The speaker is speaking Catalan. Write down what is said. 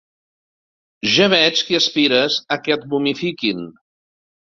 Ja veig que aspires a que et momifiquin.